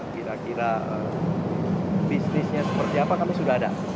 kira kira bisnisnya seperti apa kami sudah ada